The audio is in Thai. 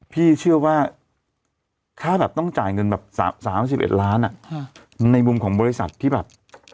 พี่เชื่อว่าค่าแบบต้องจ่ายเงินแบบ๓๑ล้านในมุมของบริษัทที่แบบ